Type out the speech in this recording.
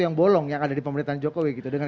yang bolong yang ada di pemerintahan jokowi gitu dengan